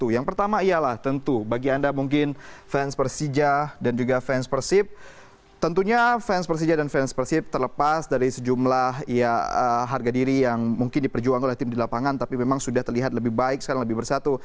yang pertama ialah tentu bagi anda mungkin fans persija dan juga fans persib tentunya fans persija dan fans persib terlepas dari sejumlah harga diri yang mungkin diperjuangkan oleh tim di lapangan tapi memang sudah terlihat lebih baik sekarang lebih bersatu